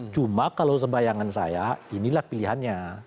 cuma kalau sebayangan saya inilah pilihannya